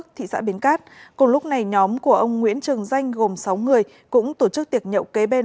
thị xã bến cát cùng lúc này nhóm của ông nguyễn trường danh gồm sáu người cũng tổ chức tiệc nhậu kế bên